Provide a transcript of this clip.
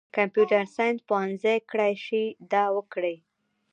کمپیوټر ساینس پوهنځۍ کړای شي دا وکړي.